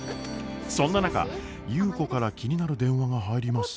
そんな中優子から気になる電話が入ります。